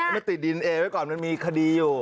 มันติดดีเอ็นเอไว้ก่อนมันมีคดีอยู่